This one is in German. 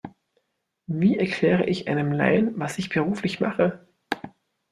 Wie erkläre ich einem Laien, was ich beruflich mache?